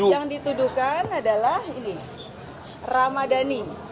yang dituduhkan adalah ini ramadhani